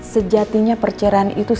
sejatinya perceraian itu